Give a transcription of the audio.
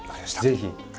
ぜひ。